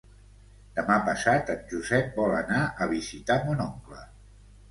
Demà passat en Josep vol anar a visitar mon oncle.